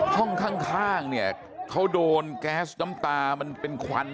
ห้องข้างเนี่ยเขาโดนแก๊สน้ำตามันเป็นควัน